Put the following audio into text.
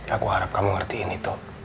aku harap kamu ngertiin itu